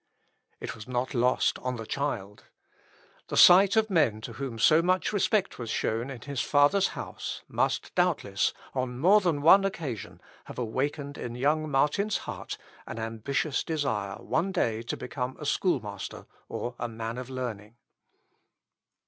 It was not lost on the child. The sight of men to whom so much respect was shown in his father's house must, doubtless, on more than one occasion, have awakened in young Martin's heart an ambitious desire one day to become a school master or a man of learning.